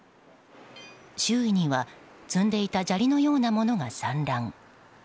周囲には積んでいた砂利のようなものが散乱。